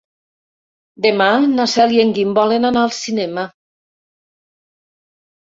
Demà na Cel i en Guim volen anar al cinema.